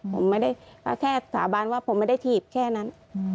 ผมไม่ได้แค่สาบานว่าผมไม่ได้ถีบแค่นั้น